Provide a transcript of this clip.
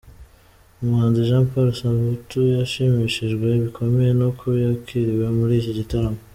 Umuhanzi Jean Paul Samputu, yashimishijwe bikomeye n’uko yakiriwe muri iki gitaramo.